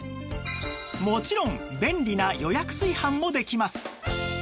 もちろん便利な予約炊飯もできます